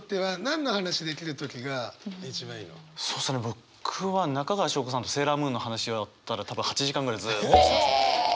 僕は中川翔子さんと「セーラームーン」の話だったら多分８時間ぐらいずっとしてますね。